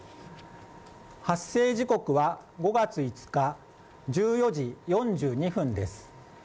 発生時刻は５月５日、１４時４２分です。